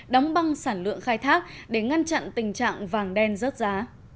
đóng băng sản lượng khai thác để ngăn chặn tình trạng vàng đen rớt giá